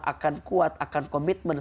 akan kuat akan komitmen